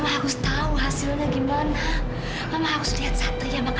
aku tidak bisa melihat nenek